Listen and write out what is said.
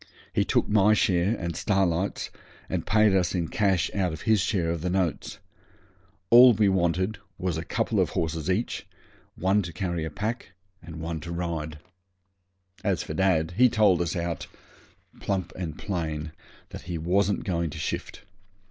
He took my share and Starlight's, and paid us in cash out of his share of the notes. All we wanted was a couple of horses each, one to carry a pack, one to ride. As for dad, he told us out, plump and plain, that he wasn't going to shift.